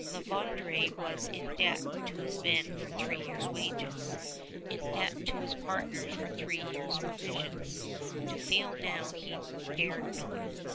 La Vérendrye was in debt to his men for three years' wages, in debt to his partners for three years' provisions. To fail now he dared not.